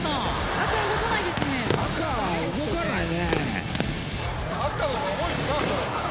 赤動かないね。